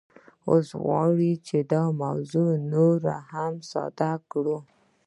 اوس غواړو چې دا موضوع نوره هم ساده کړو